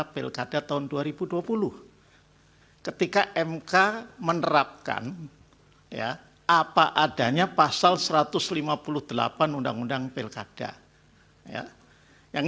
pilkada tahun dua ribu dua puluh ketika mk menerapkan ya apa adanya pasal satu ratus lima puluh delapan undang undang pilkada yang